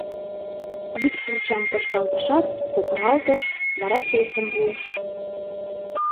Вӱд шырчам почкалтышат, кокыралтыш, вара честьым пуыш: